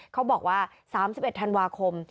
เขาบอกว่า๓๑ธันวาคม